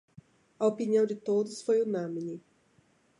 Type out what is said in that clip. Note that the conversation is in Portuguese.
A opinião de todos foi unânime.